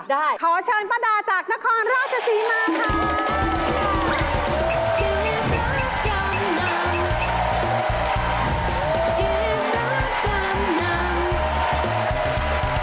ขอเชิญป้าดาจากนครราชศรีมาค่ะ